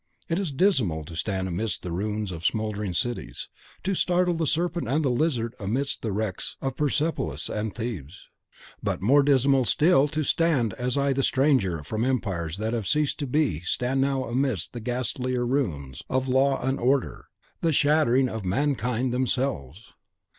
It is dismal to stand amidst the ruins of mouldering cities, to startle the serpent and the lizard amidst the wrecks of Persepolis and Thebes; but more dismal still to stand as I the stranger from Empires that have ceased to be stand now amidst the yet ghastlier ruins of Law and Order, the shattering of mankind themselves!